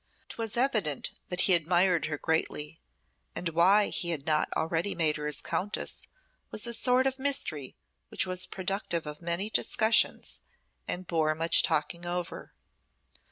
'Twas evident that he admired her greatly, and why he had not already made her his countess was a sort of mystery which was productive of many discussions and bore much talking over.